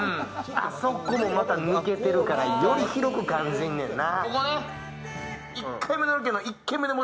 あそこもまた抜けてるからより広く感じんねんな。